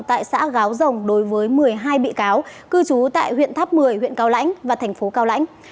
tại xã gáo rồng đối với một mươi hai bị cáo cư trú tại huyện tháp một mươi huyện cao lãnh và thành phố cao lãnh